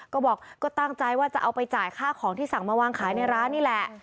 ก็บอกก็ตั้งใจว่าจะเอาไปจ่ายค่าของที่สั่งมาวางขายในร้านนี่แหละ